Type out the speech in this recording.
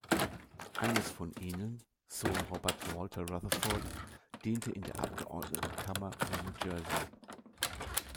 Eines von ihnen, Sohn Robert Walter Rutherfurd diente in der Abgeordnetenkammer von New Jersey.